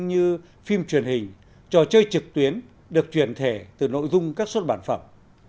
như phim truyền hình trò chơi trực tuyến được truyền thể từ nội dung các xuất bản phẩm